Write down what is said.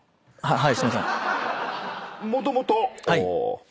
はい。